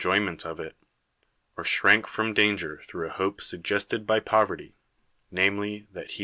'oyinent of it: or shrank from "iiiger through a hope suggested by pov PERICLES erty, namely, that he ir.